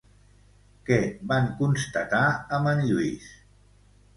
Què van constatar amb en Lluís?